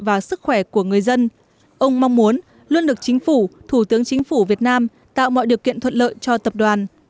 và sức khỏe của người dân ông mong muốn luôn được chính phủ thủ tướng chính phủ việt nam tạo mọi điều kiện thuận lợi cho tập đoàn